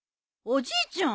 おじいちゃん。